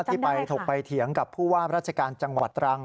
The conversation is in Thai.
ที่ไปถกไปเถียงกับผู้ว่าราชการจังหวัดตรัง